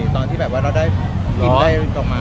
ตอนที่เรากินได้ปลา